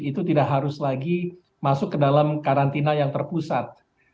itu tidak harus lagi masuk ke dalam karantina yang terpusat